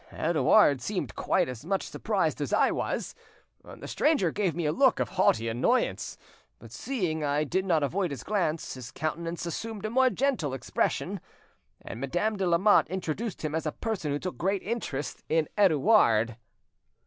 "Edouard seemed quite as much surprised as I was. The stranger gave me a look of haughty annoyance, but seeing I did not avoid his glance his countenance assumed a more gentle expression, and Madame de Lamotte introduced him as a person who took great interest in Edouard."